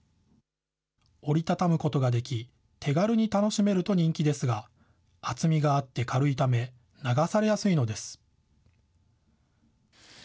折り畳むことができ、手軽に楽しめると人気ですが、厚みがあって軽いため、流されやすいのです。